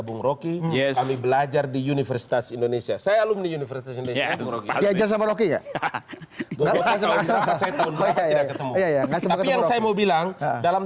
bu rocky yes belajar di universitas indonesia saya alumni universitas indonesia saya mau bilang dalam